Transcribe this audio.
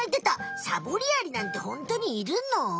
サボりアリなんてホントにいるの？